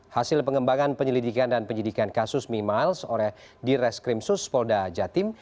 hasil pengembangan penyelidikan dan penyelidikan kasus memiles oleh dires krimsus polda jatim